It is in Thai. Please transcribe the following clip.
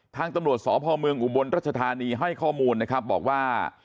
ทางตำรวจสพเมืองอุบลรัชธานีให้ข้อมูลนะครับบอกว่า